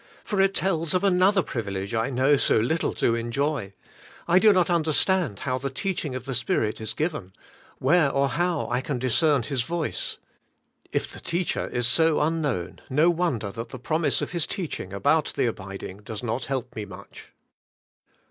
For it tells of another privilege I so little know to enjoy : I do 9 130 ABIDE IN CHRIST: not understand how the teaching of the Spirit is given, — where or how I can discern His voice. If the Teacher is so unknown, no wonder that the promise of His teaching about the abiding does not help me much.